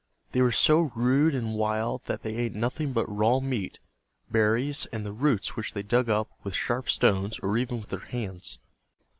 They were so rude and wild that they ate nothing but raw meat, berries, and the roots which they dug up with sharp stones or even with their hands.